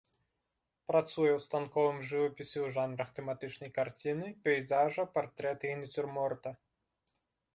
Працуе ў станковым жывапісе ў жанрах тэматычнай карціны, пейзажа, партрэта і нацюрморта.